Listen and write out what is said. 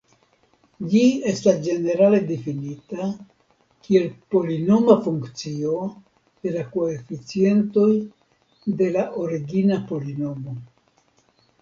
Ĝi estas ĝenerale difinita kiel polinoma funkcio de la koeficientoj de la origina polinomo.